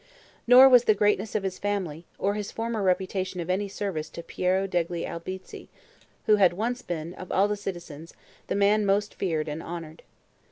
Nor was the greatness of his family, or his former reputation of any service to Piero degli Albizzi, who had once been, of all the citizens, the man most feared and honored.